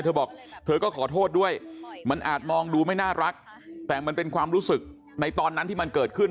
เธอบอกเธอก็ขอโทษด้วยมันอาจมองดูไม่น่ารักแต่มันเป็นความรู้สึกในตอนนั้นที่มันเกิดขึ้น